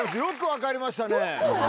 分かりました。